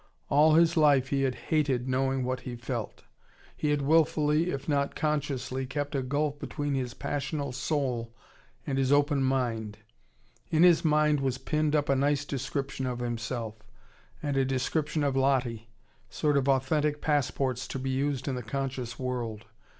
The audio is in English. All his life he had hated knowing what he felt. He had wilfully, if not consciously, kept a gulf between his passional soul and his open mind. In his mind was pinned up a nice description of himself, and a description of Lottie, sort of authentic passports to be used in the conscious world.